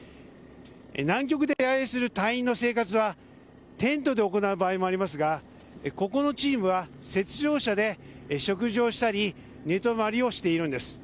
南極で野営する隊員の生活はテントで行う場合もありますがここのチームは雪上車で食事をしたり寝泊まりをしているんです。